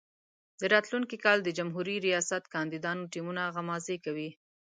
د راتلونکي کال د جمهوري ریاست کاندیدانو ټیمونه غمازي کوي.